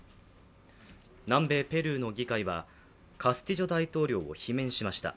南米・ペルーの議会はカスティジョ大統領を罷免しました。